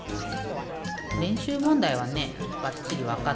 れんしゅうもんだいはねばっちりわかったのよ。